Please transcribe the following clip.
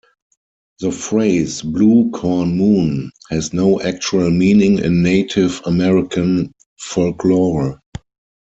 The phrase "blue corn moon" has no actual meaning in Native American folklore.